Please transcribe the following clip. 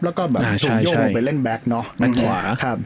แล้วก็จงโยงไปเล่นแบกเนอะ